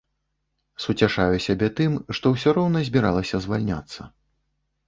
Суцяшаю сябе тым, што ўсё роўна збіралася звальняцца.